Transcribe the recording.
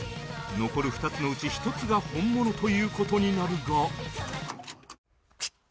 残る２つのうち１つが本物という事になるが